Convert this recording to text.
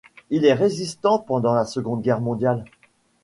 Il est résistant pendant la Seconde Guerre mondiale.